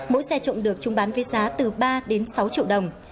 mỗi xe trộm được trung bán với giá từ ba đến sáu triệu đồng